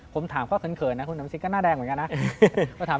ผมถามเขาเขินนะคุณธรรมสิทธิ์ก็หน้าแดงเหมือนกันนะ